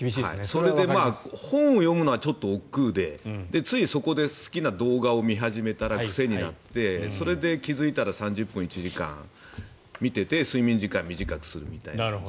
それで本を読むのがちょっとおっくうでついそこで好きな動画を見始めたら癖になってそれで気付いたら３０分、１時間見てて睡眠時間を短くするという。